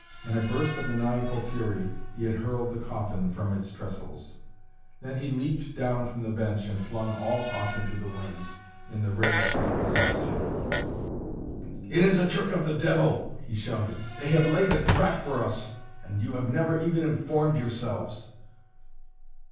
In a burst of maniacal fury he had hurled the coffin from its trestles. Then he leaped down from the bench and flung all caution to the winds in the rage that possessed him. "It is a trick of the devil," he shouted. "They have laid a trap for us, and you have never even informed yourselves."